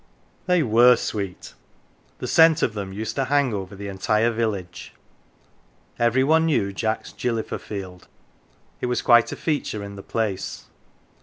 They were sweet ! The scent of them used to hang over the entire village. Every one knew Jack's gilly Fer field it was quite a feature in the place.